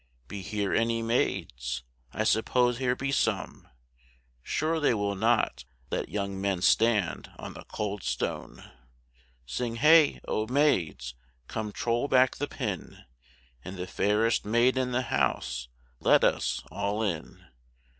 Be here any maids? I suppose here be some; Sure they will not let young men stand on the cold stone! Sing hey, O, maids! come trole back the pin, And the fairest maid in the house let us all in.